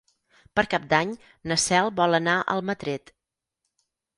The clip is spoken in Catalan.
Per Cap d'Any na Cel vol anar a Almatret.